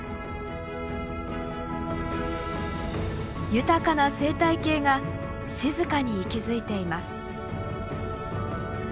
豊かな生態系が静かに息づいています。